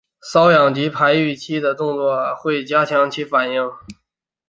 搔痒及非预期的动作会加强其反应。